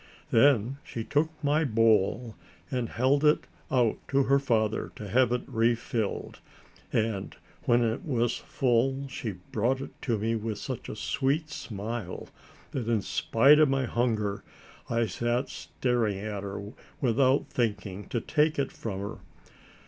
Then she took my bowl and held it out to her father to have it refilled, and when it was full she brought it to me with such a sweet smile, that in spite of my hunger, I sat staring at her, without thinking to take it from her.